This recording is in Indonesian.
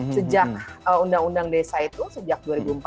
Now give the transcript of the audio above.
sejak undang undang desa itu sejak dua ribu empat belas